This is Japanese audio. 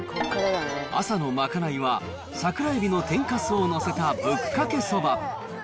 朝の賄いは、桜エビの天かすを載せた、ぶっかけそば。